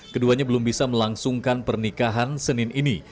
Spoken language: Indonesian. keduanya belum bisa melangsungkan pernikahan senin ini